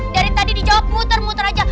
dari tadi dijawab muter muter aja